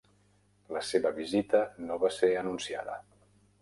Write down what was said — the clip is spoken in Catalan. La seva visita no va ser anunciada.